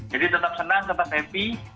jadi tetap senang tetap happy